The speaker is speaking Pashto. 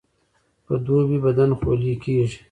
په دوبي بدن خولې کیږي